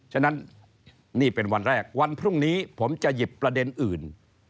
ฉะนั้นนี่เป็นวันแรกวันพรุ่งนี้ผมจะหยิบประเด็นอื่น